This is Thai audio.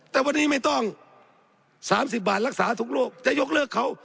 แต่วันนี้ไม่ต้อง๓๐บาทรักษาทุกโรคจะยกเลิกเขา